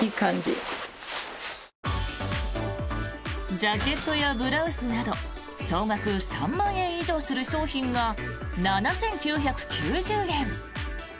ジャケットやブラウスなど総額３万円以上する商品が７９９０円。